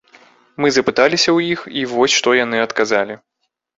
Мы запыталіся ў іх, і вось што яны адказалі.